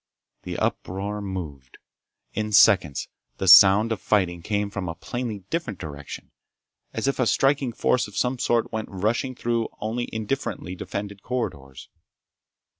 The uproar moved. In seconds the sound of fighting came from a plainly different direction, as if a striking force of some sort went rushing through only indifferently defended corridors.